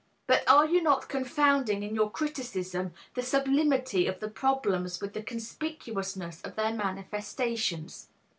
But are you not confounding, in your criticism, the sublimity of the problems with the conspicuousness of their manifestations?